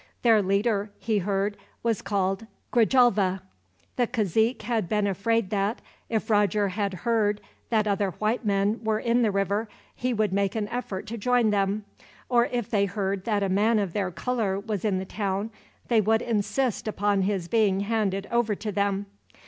Their leader, he heard, was called Grijalva. The cazique had been afraid that, if Roger had heard that other white men were in the river, he would make an effort to join them; or if they heard that a man of their color was in the town, they would insist upon his being handed over to them.